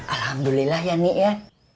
alhamdulillah ya nek ya